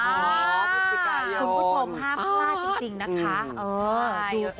คุณผู้ชมห้ามพลาดจริงนะคะ